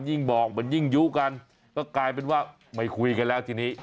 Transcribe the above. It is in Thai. ยิ่งบอกมันยิ่งยุ้กันก็กลายเป็นว่าไม่คุยกันแล้วทีนี้